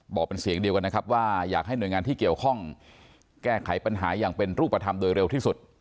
บอกเป็นเสียงเดียวกันนะครับว่าอยากให้หน่วยงานที่เกี่ยวข้องแก้ไขปัญหาอย่างเป็นรูปธรรมโดยเร็วที่สุด